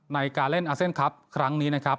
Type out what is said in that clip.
ในการเล่นอาเซียนครับครั้งนี้นะครับ